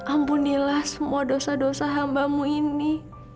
alhamdulillah semua dosa dosa hambamu ini